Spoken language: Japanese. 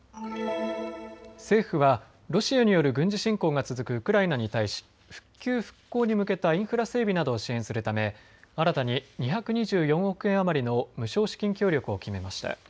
政府はロシアによる軍事侵攻が続くウクライナに対し復旧・復興に向けたインフラ整備などを支援するため新たに２２４億円余りの無償資金協力を決めました。